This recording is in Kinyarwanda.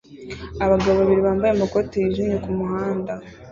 Abagabo babiri bambaye amakoti yijimye kumuhanda